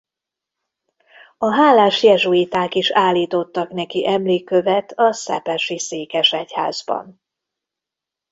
A hálás jezsuiták is állítottak neki emlékkövet a szepesi székesegyházban.